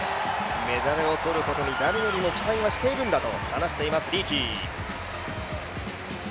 メダルを取ることに誰よりも期待はしているんだと話していますリーキー。